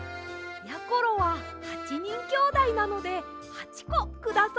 やころは８にんきょうだいなので８こください。